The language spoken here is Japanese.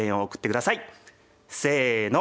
せの！